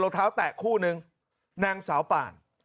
รองเท้าแตะคู่นึงนางสาวป่าน